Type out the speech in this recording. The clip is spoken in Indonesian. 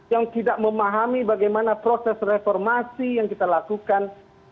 yang tidak memahami bagaimana proses reformasi yang kita lakukan seribu sembilan ratus sembilan puluh delapan